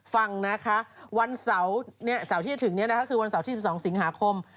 ฟังวันเสาร์ที่จะถึงวันเสาร์ที่๒สิงหาคม